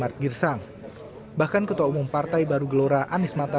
jadi kita harus mendakungkan bersatu